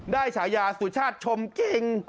ฉายาสุชาติชมเก่ง